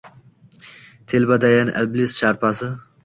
Telbadayin Iblis sharpasi.